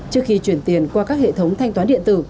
trước khi chuyển tiền qua các hệ thống thanh toán điện tử